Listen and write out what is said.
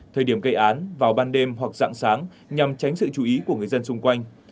thời điểm gây án vào ban đêm hoặc dạng sáng nhằm tránh sự chú ý của người dân xung quanh